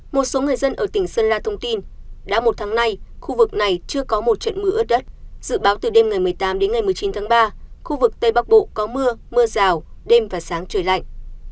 một số người dân ở tỉnh sơn la thông tin đã một tháng nay khu vực này chưa có một trận mưa ướt đất dự báo từ đêm ngày một mươi tám đến ngày một mươi chín tháng ba khu vực tây bắc bộ có mưa mưa rào đêm và sáng trời lạnh